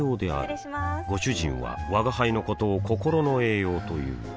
失礼しまーすご主人は吾輩のことを心の栄養という